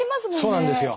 そうなんですよ。